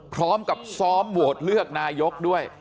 พร้อมกับซ้อมโหวตเลือกนายกด้วย